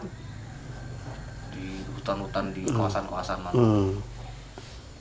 di hutan hutan di kawasan kawasan mana